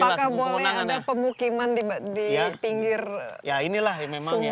apakah boleh ada pemukiman di pinggir sungai itu kan merupakan